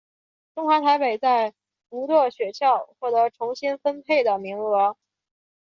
中华台北在无舵雪橇获得重新分配的名额。